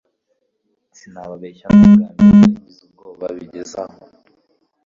sinababeshya ni ubwambere naringize ubwoba bigeze aho